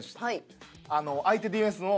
相手ディフェンスのどこが。